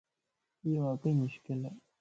ايو واقعي مشڪلَ